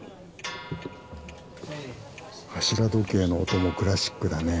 柱時計の音もクラシックだね。